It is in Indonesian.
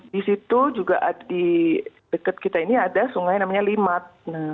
di situ juga di dekat kita ini ada sungai namanya limat